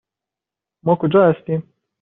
ما کجا هستیم؟